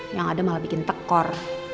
yang ada malah bikin tekor